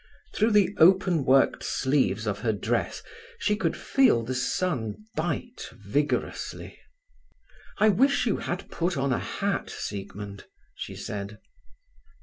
Through the open worked sleeves of her dress she could feel the sun bite vigorously. "I wish you had put on a hat, Siegmund," she said.